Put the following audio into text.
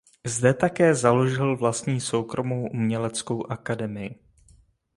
Zde také založil vlastní soukromou uměleckou akademii.